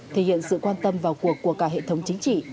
thể hiện sự quan tâm vào cuộc của cả hệ thống chính trị